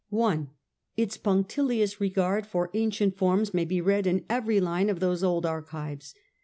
(i) Its punctilious regard for ancient forms may be read in every line of those old archives.